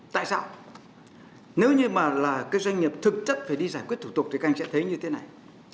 tại sao nếu như mà là cái doanh nghiệp thực chất phải đi giải quyết thủ tục thì các anh sẽ thấy như thế này